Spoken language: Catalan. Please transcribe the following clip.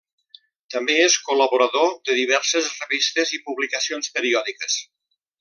També és col·laborador de diverses revistes i publicacions periòdiques.